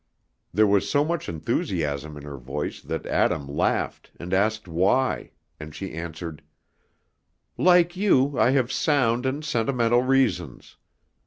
There was so much enthusiasm in her voice that Adam laughed and asked why, and she answered: "Like you, I have sound and sentimental reasons.